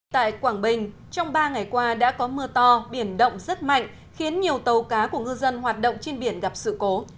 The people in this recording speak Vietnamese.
tại quảng bình trong ba ngày qua đã có mưa to biển động rất mạnh khiến nhiều tàu cá của ngư dân hoạt động trên biển gặp sự cố